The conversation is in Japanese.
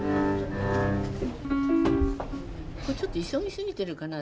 これちょっと急ぎすぎてるかな。